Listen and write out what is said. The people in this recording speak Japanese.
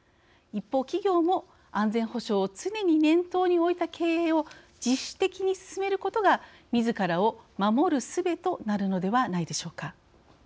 一方、企業も安全保障を常に念頭に置いた経営を自主的に進めることがみずからを守るすべとなるのではないでしょうか。